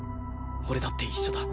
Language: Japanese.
俺だって一緒だ。